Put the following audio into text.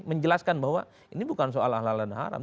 menjelaskan bahwa ini bukan soal halal dan haram